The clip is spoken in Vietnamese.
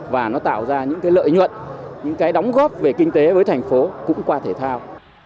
và nó tạo ra những cái lợi nhuận những cái đóng góp về kinh tế với thành phố cũng qua thể thao